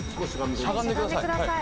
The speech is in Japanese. しゃがんでください。